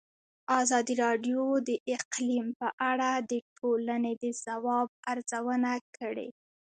ازادي راډیو د اقلیم په اړه د ټولنې د ځواب ارزونه کړې.